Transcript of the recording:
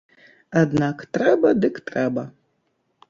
Аднак трэба дык трэба.